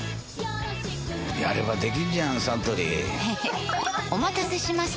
やればできんじゃんサントリーへへっお待たせしました！